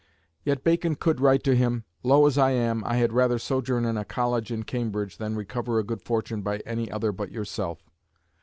Yet Bacon could write to him, "low as I am, I had rather sojourn in a college in Cambridge than recover a good fortune by any other but yourself."